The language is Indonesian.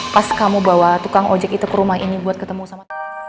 pas kamu bawa tukang ojek itu ke rumah ini buat ketemu sama